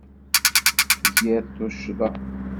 Tgid tuccḍa.